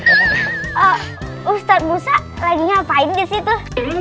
eh ustadz musa lagi ngapain di situ